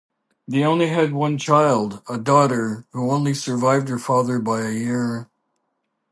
They had one child, a daughter, who only survived her father by a year.